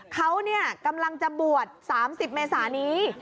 เขากำลังจะบวช๓๐เมษานี้